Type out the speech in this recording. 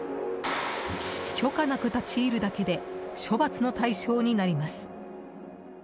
許可なく立ち入るだけで処罰の対象になります。